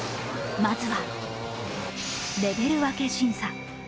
まずはレベル分け審査。